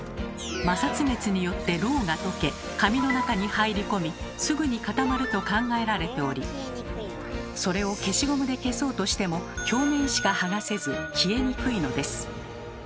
摩擦熱によってロウがとけ紙の中に入り込みすぐに固まると考えられておりそれを消しゴムで消そうとしても表面しかはがせず消えにくいのです。